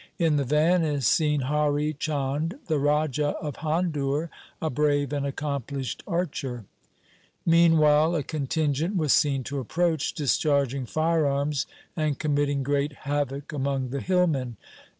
In the van is seen Hari Chand, the Raja of Handur, a brave and accomplished archer.' Meanwhile a contingent was seen to approach, discharging firearms and committing great havoc among the hillmen.